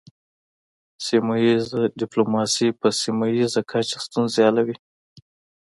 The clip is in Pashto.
سیمه ایز ډیپلوماسي په سیمه ایزه کچه ستونزې حل کوي